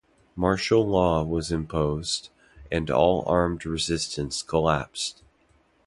Martial law was imposed, and all armed resistance collapsed.